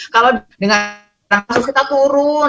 kalau dengan kasus kita turun